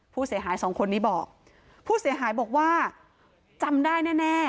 ผู้เสียหายสองคนนี้บอกผู้เสียหายบอกว่าจำได้แน่แน่